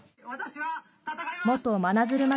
元真鶴町